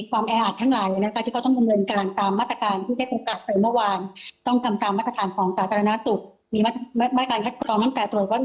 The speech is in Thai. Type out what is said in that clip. ถ้าเป็นรักนาคารก็จะต้องมีการใจหน้ากากมันนำไปเป็นฆ่าเชื้อผิดสัมผัสต่าง